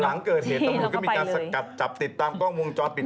หลังเกิดเหตุแล้วก็มีการกัดจับติดตามกล้องมุมจอปิด